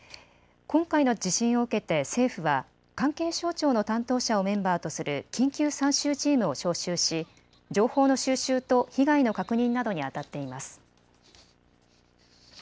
今回の地震を受けて政府は関係省庁の担当者をメンバーとする緊急参集チームを招集し情報の収集と被害の確認などにあたっています。